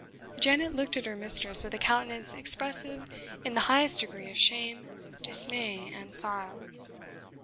Janet looked at her mistress with a countenance expressive in the highest degree of shame, dismay, and sorrow.